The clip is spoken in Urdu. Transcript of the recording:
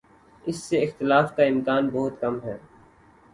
اس سے اختلاف کا امکان بہت کم ہے۔